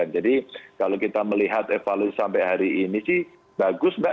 jadi kalau kita melihat evaluasi sampai hari ini sih bagus mbak